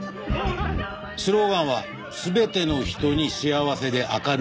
スローガンは「すべての人に幸せで明るい未来を」。